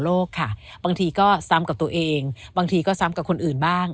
ค่ะบางทีก็ซ้ำกับตัวเองบางทีก็ซ้ำกับคนอื่นบ้าง